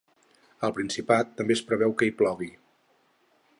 Al Principat també es preveu que hi plogui.